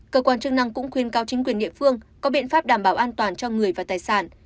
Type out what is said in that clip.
cơ quan chức năng cũng khuyên cao chính quyền địa phương có biện pháp đảm bảo an toàn cho người và tài sản